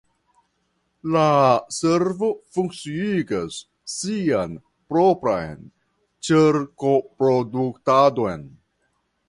La servo funkciigas sian propran ĉerkoproduktadon.